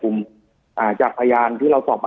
จนถึงปัจจุบันมีการมารายงานตัว